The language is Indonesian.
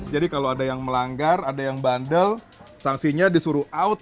jadi kalau ada yang melanggar ada yang bandel sanksinya disuruh out